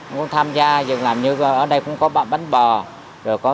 cũng tham gia dựng làm như ở đây cũng có bánh bò